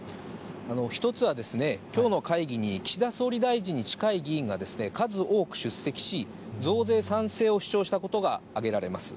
１つは、きょうの会議に岸田総理大臣に近い議員が数多く出席し、増税賛成を主張したことが挙げられます。